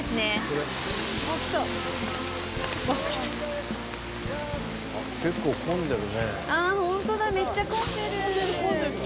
めっちゃ混んでる。